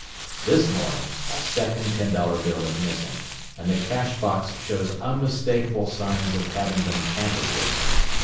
This morning a second ten dollar bill is missing, and the cash box shows unmistakable signs of having been tampered with.